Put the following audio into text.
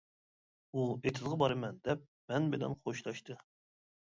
ئۇ ئېتىزغا بارىمەن دەپ مەن بىلەن خوشلاشتى.